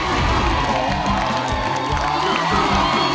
น้องช่วยดนตรี